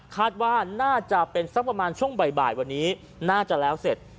คาดว่าน่าจะเป็นสักประมาณช่วงบ่ายวันนี้น่าจะแล้วเสร็จ